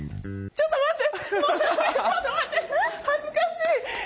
ちょっと待って。